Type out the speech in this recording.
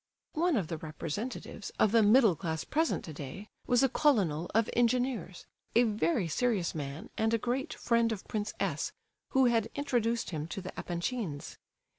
One of the representatives of the middle class present today was a colonel of engineers, a very serious man and a great friend of Prince S., who had introduced him to the Epanchins.